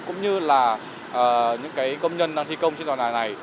cũng như là những công nhân thi công trên tòa nhà này